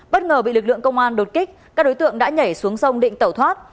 bất ngờ bị lực lượng công an đột kích các đối tượng đã nhảy xuống sông định tẩu thoát